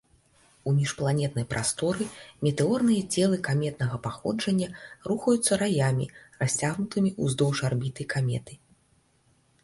У міжпланетнай прасторы метэорныя целы каметнага паходжання рухаюцца раямі, расцягнутымі ўздоўж арбіты каметы.